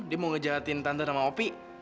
dia mau ngejahatin tante sama ngopi